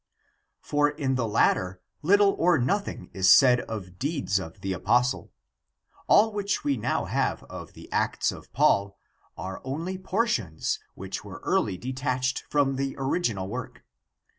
For in the latter little or nothing is said of deeds of the apostle. All which we now have of the Acts of Paul are only portions which were early detached from the original work.